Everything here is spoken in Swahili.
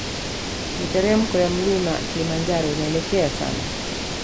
Miteremko ya mlima kilimanjaro inaelekea sana